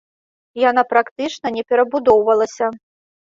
Яна практычна не перабудоўвалася.